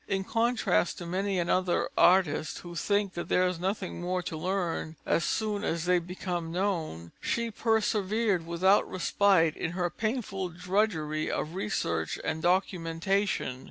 In contrast to many another artist, who think that there is nothing more to learn, as soon as they become known, she persevered without respite in her painful drudgery of research and documentation.